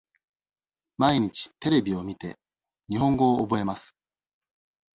毎日テレビを見て、日本語を覚えます。